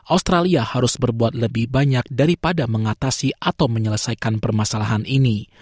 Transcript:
australia harus berbuat lebih banyak daripada mengatasi atau menyelesaikan permasalahan ini